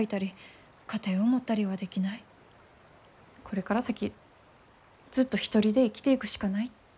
これから先ずっと１人で生きていくしかない。